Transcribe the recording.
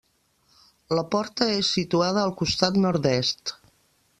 La porta és situada al costat nord-est.